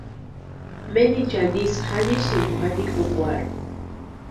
Menichani ísï janisïnti kwʼanikukwarhu.